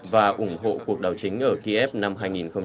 và ủng hộ cuộc đảo chính ở kiev năm hai nghìn một mươi chín